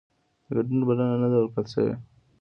د ګډون بلنه نه ده ورکړل شوې